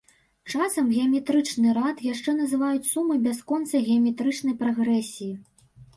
Часам геаметрычны рад яшчэ называюць сумай бясконцай геаметрычнай прагрэсіі.